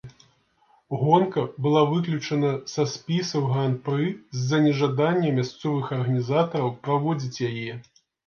Гонка была выключана са спісаў гран-пры з-за нежадання мясцовых арганізатараў праводзіць яе.